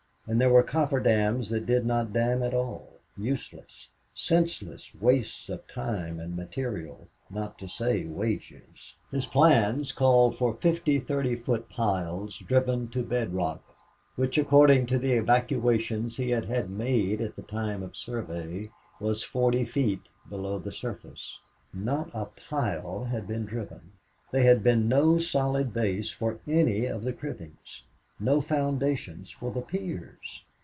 And there were coffer dams that did not dam at all useless, senseless wastes of time and material, not to say wages. His plans called for fifty thirty foot piles driven to bedrock, which, according to the excavations he had had made at the time of survey, was forty feet below the surface. Not a pile had been driven! There had been no solid base for any of the cribbings! No foundations for the piers!